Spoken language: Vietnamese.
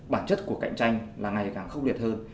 bản chất của cạnh tranh là ngày càng khốc liệt hơn